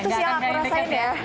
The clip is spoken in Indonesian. itu sih yang aku rasain ya